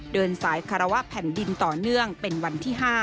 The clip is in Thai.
เดินสายคารวะแผ่นดินต่อเนื่องเป็นวันที่๕